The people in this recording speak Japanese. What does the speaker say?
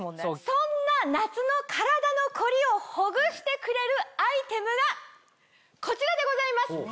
そんな夏の体の凝りをほぐしてくれるアイテムがこちらでございます。